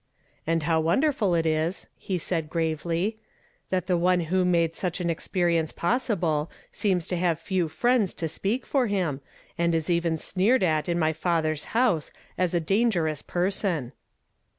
"And how Avonderful it is," he said gravely, "that the one who made such an experience possible, seems to have few friends to speak for him, and is even sneered at in my father's house, as a ' dangerous pei son